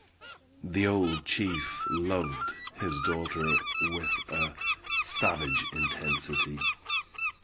The old chief loved his daughter with a savage intensity.